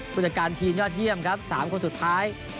ผู้จัดการทีมยอดเยี่ยมครับ๓คนสุดท้าย